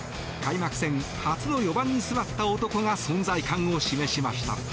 開幕戦初の４番に座った男が存在感を示しました。